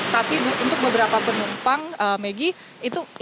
tapi untuk beberapa penumpang megi itu ini sebagian penumpang